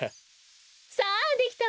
さあできたわ。